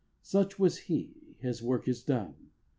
Such was he: his work is done.